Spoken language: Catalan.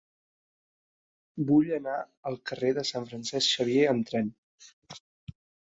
Vull anar al carrer de Sant Francesc Xavier amb tren.